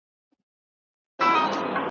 له وهلو له ښکنځلو دواړو خلاص وو ,